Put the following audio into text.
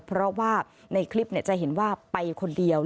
เพราะว่าในคลิปจะเห็นว่าไปคนเดียว